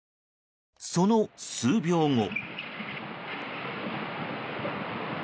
その数秒後。